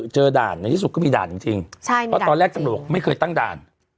เจอด่านในที่สุดก็มีด่านจริงจริงใช่เพราะตอนแรกจะบอกไม่เคยตั้งด่าน